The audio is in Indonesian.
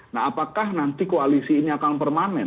nah apakah nanti koalisi ini akan permanen